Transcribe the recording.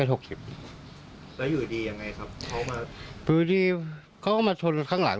สี่สิบแล้วอยู่ดีอย่างไงครับมาโดดดีก็มาทนข้างหลัง